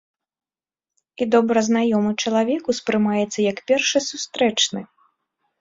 І добра знаёмы чалавек ўспрымаецца як першы сустрэчны.